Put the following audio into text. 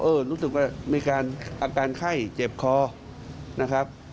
รู้สึกว่ามีการอาการไข้เจ็บคอนะครับ